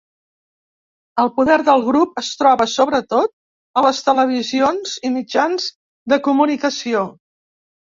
El poder del grup es troba sobretot a les televisions i mitjans de comunicació.